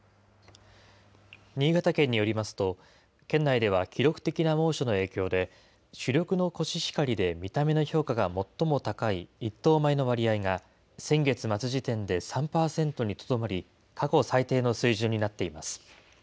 新潟県によりますと、県内では記録的な猛暑の影響で、主力のコシヒカリで見た目の評価が最も高い１等米の割合が、先月末時点で３％にとどまり、過去最低の水準になっています。